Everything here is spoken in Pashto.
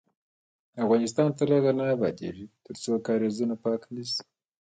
افغانستان تر هغو نه ابادیږي، ترڅو کاریزونه پاک نشي.